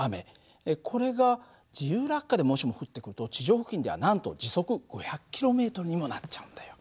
これが自由落下でもしも降ってくると地上付近ではなんと時速５００ｋｍにもなっちゃうんだよ。